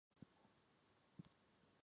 但传统上画师以紫色作为黄的互补色。